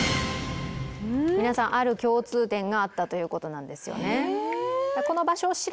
皆さんある共通点があったということなんですよね